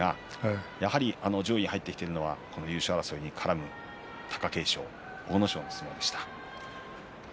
やはり上位に入ってきてるのは優勝争いに絡む貴景勝阿武咲の相撲でした。